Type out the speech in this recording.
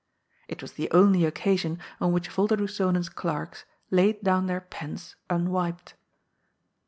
It was the only occasion on which Volderdoes Zonen's clerks laid down their pens unwiped.